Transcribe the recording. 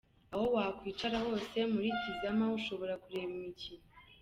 Aho wakwicara hose muri Tizama ushobora kureba imikino.